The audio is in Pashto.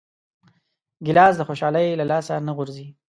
ګیلاس د خوشحالۍ له لاسه نه غورځي.